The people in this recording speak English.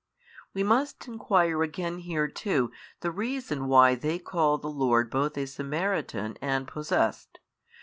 We must enquire again here too the reason why they call the Lord both a Samaritan and possessed.